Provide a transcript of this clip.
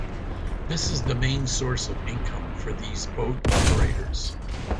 This is the main source of income for these boat operators.